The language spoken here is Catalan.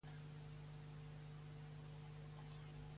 El programa de vegades s'emet al canal Kapamilya.